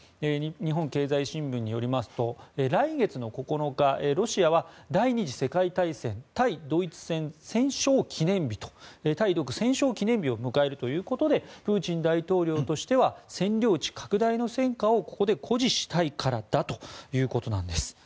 日本経済新聞によりますと来月９日ロシアは第２次世界大戦対独戦勝記念日を迎えるということでプーチン大統領としては占領地拡大の戦果をここで誇示したいからだということです。